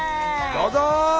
どうぞ。